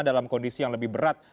dalam kondisi yang lebih berat